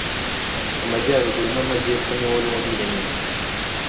amajyaruguru n'amajyepfo, ni wowe wabiremye,